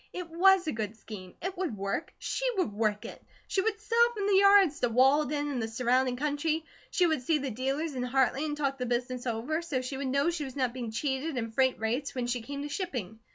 It WAS a good scheme. It would work. She would work it. She would sell from the yards to Walden and the surrounding country. She would see the dealers in Hartley and talk the business over, so she would know she was not being cheated in freight rates when she came to shipping.